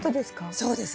そうです。